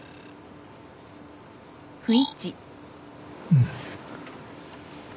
うん。